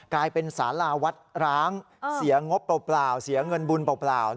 กลายเป็นสาราวัดร้างเสียงบเปล่าเสียเงินบุญเปล่า